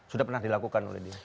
sudah pernah dilakukan oleh dia